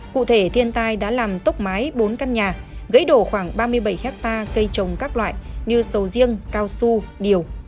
cụ thể thiên tai đã làm tốc mái bốn căn nhà gãy đổ khoảng ba mươi bảy hectare cây trồng các loại như sầu riêng cao su điều